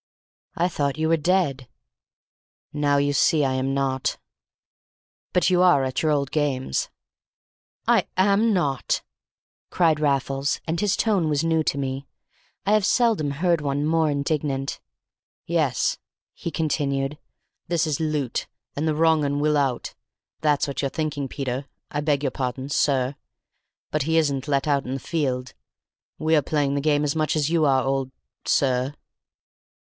"I thought you were dead." "Now you see I am not." "But you are at your old games!" "I am not," cried Raffles, and his tone was new to me. I have seldom heard one more indignant. "Yes," he continued, "this is loot, and the wrong 'un will out. That's what you're thinking, Peter—I beg your pardon—sir. But he isn't let out in the field! We're playing the game as much as you are, old—sir."